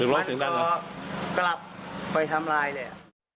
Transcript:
แล้วก็กลับไปทำลายเลย